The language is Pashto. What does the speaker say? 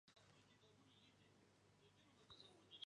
سرحدونه تړلي ول.